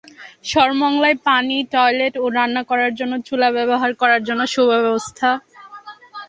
সরমংলায় পানি, টয়লেট ও রান্না করার জন্য চুলা ব্যবহার করার জন্য আছে সুব্যবস্থা।